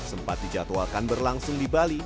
sempat dijadwalkan berlangsung di bali